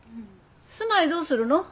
住まいどうするの？